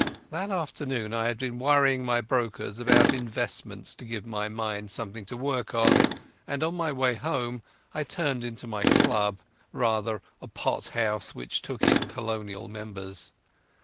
That afternoon I had been worrying my brokers about investments to give my mind something to work on, and on my way home I turned into my club—rather a pot house, which took in Colonial members.